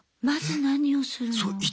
まず何をするの？